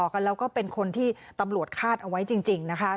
กันแล้วก็เป็นคนที่ตำรวจคาดเอาไว้จริงนะคะ